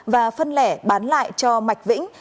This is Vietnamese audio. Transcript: và phân lẻ bán lại cho mạch vĩnh